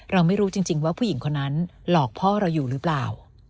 เราไม่รู้จริงว่าผู้หญิงคนนั้นหลอกพ่อเราอยู่หรือเปล่า